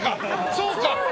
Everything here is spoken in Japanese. そうか。